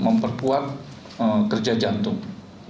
memperkuat kerja jantung